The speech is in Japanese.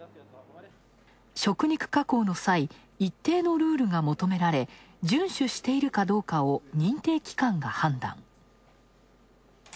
食肉加工の際、一定のルールが求められ順守しているかどうかを認定機関が判断。